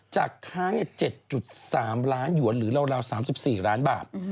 ค้าง๗๓ล้านหยวนหรือราว๓๔ล้านบาท